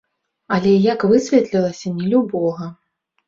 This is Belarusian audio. Але, як высветлілася, не любога.